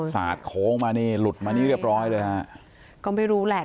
สาดโค้งมานี่หลุดมานี่เรียบร้อยเลยฮะก็ไม่รู้แหละ